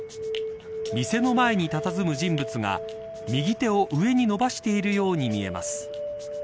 店の前にたたずむ人物が右手を上に伸ばしているように見えます。